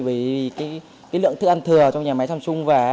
vì lượng thức ăn thừa trong nhà máy samsung về